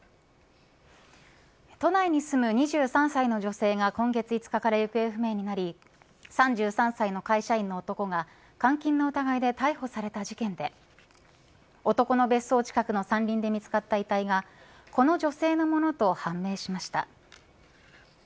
都内に住む２３歳の女性が今月５日から行方不明になり３３歳の会社員の男が監禁の疑いで逮捕された事件で男の別荘近くの山林で見つかった遺体がこの女性のものと判明しました。